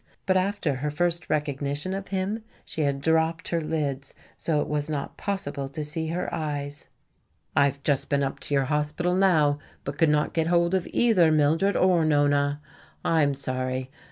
But after her first recognition of him she had dropped her lids, so it was not possible to see her eyes. "I have just been up to your hospital now, but could not get hold of either Mildred or Nona. I am sorry.